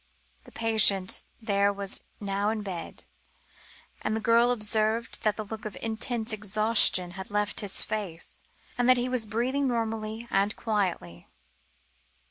The patient there was now in bed, and the girl observed that the look of intense exhaustion had left his face, and that he was breathing normally and quietly.